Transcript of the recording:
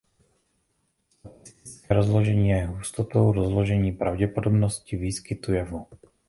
Statistické rozložení je hustotou rozložení pravděpodobnosti výskytu jevu.